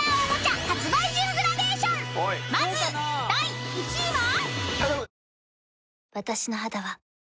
［まず第１位は］